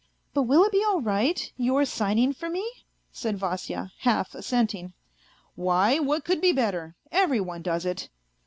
" But will it be all right, your signing for me ?" said Vasya, half assenting. " Why, what could be better ? Everyone does it."